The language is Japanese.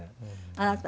あなたは？